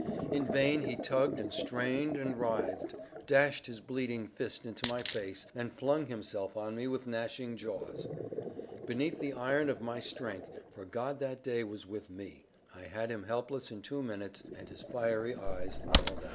In vain he tugged and strained and writhed, dashed his bleeding fist into my face, and flung himself on me with gnashing jaws. Beneath the iron of my strength for God that day was with me I had him helpless in two minutes, and his fiery eyes lolled out.